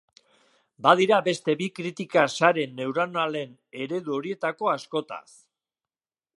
Badira beste bi kritika sare neuronalen eredu horietako askotaz.